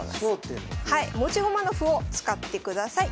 持ち駒の歩を使ってください。